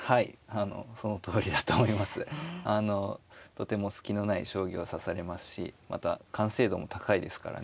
とても隙のない将棋を指されますしまた完成度も高いですからね。